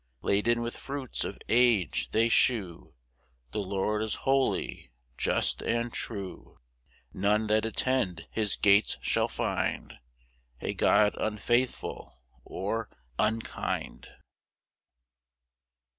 4 Laden with fruits of age, they shew The Lord is holy, just, and true; None that attend his gates shall find A God unfaithful or unkind.